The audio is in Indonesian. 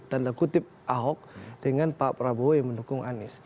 tanda kutip ahok dengan pak prabowo yang mendukung anies